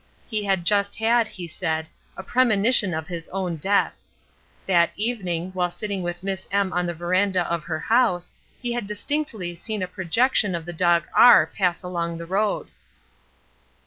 He had just had, he said, a premonition of his own death. That evening, while sitting with Miss M on the verandah of her house, he had distinctly seen a projection of the dog R pass along the road."